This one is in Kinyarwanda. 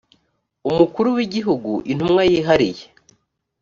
umukuru w igihugu intumwa yihariye